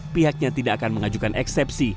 pihaknya tidak akan mengajukan eksepsi